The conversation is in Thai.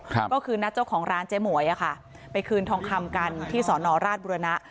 ก็คือนัดเจ้าของร้านเจ๊หมวยอ่ะค่ะไปคืนทองคำกันที่สอนอราชบุรณะ